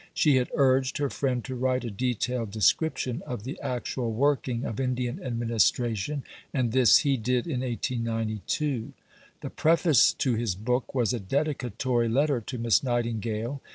She had urged her friend to write a detailed description of the actual working of Indian administration, and this he did in 1892. The Preface to his book was a dedicatory letter to Miss Nightingale.